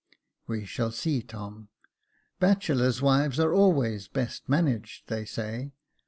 " We shall see, Tom. Bachelor's wives are always best managed, they say.